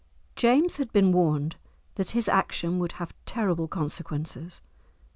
James had been warned that his action would have terrible consequences.